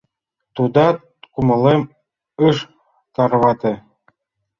Тудат кумылем ыш тарвате.